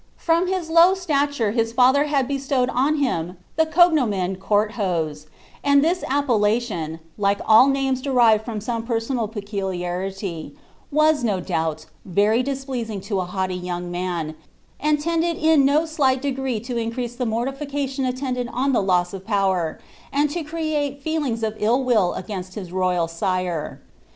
From his low stature his faliier had ' .''iwed on him the Cf^nonicn of Court hoee,' and this appellation, like names ilerired from some personal peculiarity, was, no doubt, very /li'iising to a hauglity young man, and tended in no slight degree ta i'lisc the mortilication attendant on the loss of power, and to create ::tiu; Bof ill will against his royal sire.